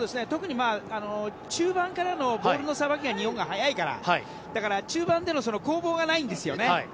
特に中盤からのボールさばきが日本は速いからだから中盤での攻防がないんですよね。